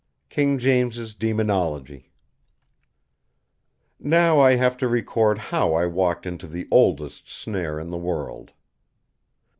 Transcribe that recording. KING JAMES' "DEMONOLOGY." Now I have to record how I walked into the oldest snare in the world.